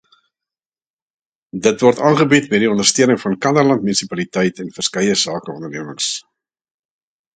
Dit word aangebied met die ondersteuning van Kannaland Munisipaliteit en verskeie sakeondernemings.